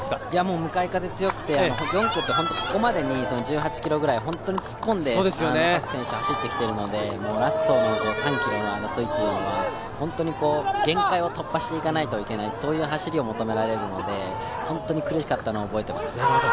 向かい風が強くて、４区ってここまでに１８ｋｍぐらい本当に突っ込んで各選手走ってきているのでラスト３ｋｍの走りというのは限界を突破していかないといけないと、そういう走りを求められるので本当に苦しかったのを覚えています。